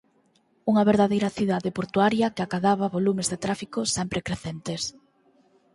Unha verdadeira cidade portuaria que acadaba volumes de tráfico sempre crecentes.